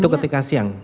itu ketika siang